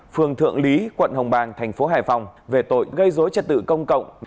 phường thượng lý quận hồng bàng tp hải phòng về tội gây dối trật tự công cộng